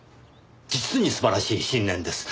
実に素晴らしい信念です。